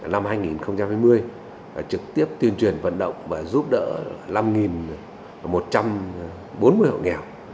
năm hai nghìn hai mươi trực tiếp tuyên truyền vận động và giúp đỡ năm một trăm bốn mươi hộ nghèo